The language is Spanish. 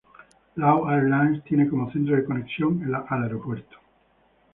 Lao Airlines tiene como centro de conexión al aeropuerto.